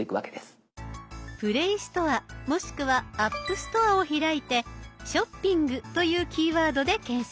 ＰｌａｙストアもしくはＡｐｐＳｔｏｒｅを開いて「ショッピング」というキーワードで検索。